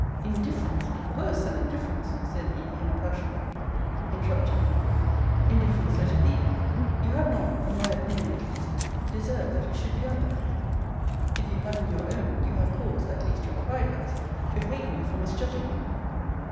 Indifference, worse than indifference! said he, in a passion Interrupting him Indifference let it be you have not (in my opinion at least) deserved that it should be other: if you have in your own, you have cause (at least your pride has) to hate me for misjudging you.